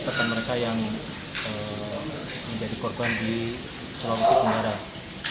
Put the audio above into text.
tetap mereka yang menjadi korban di kualifikasi kendaraan